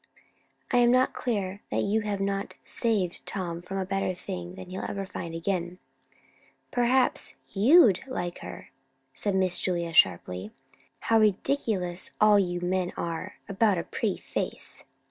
"I am not clear that you have not 'saved' Tom from a better thing than he'll ever find again." "Perhaps you'd like her!" said Miss Julia sharply. "How ridiculous all you men are about a pretty face!"